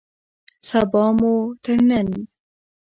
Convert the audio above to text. سبا مو تر نن